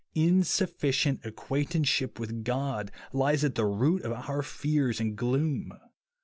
Insufficient acquaivtanceskip ^vith God lies at the I'oot of our fears and gloom.